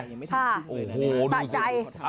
โอ้โหดูซะ